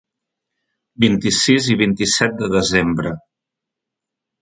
Vint-i-sis i vint-i-set de desembre.